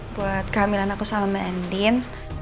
buat kehamilan aku sama ending